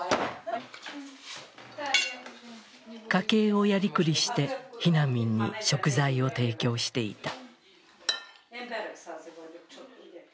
家計をやりくりして避難民に食材を提供していた。